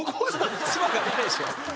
つばがないでしょ。